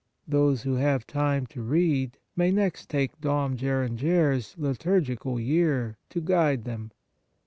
Those who have time to read may next take Dom Gueranger s " Liturgical Year " to guide them.